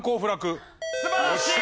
素晴らしい！